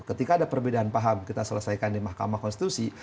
ketika ada perbedaan paham kita selesaikan di mahkamah konstitusi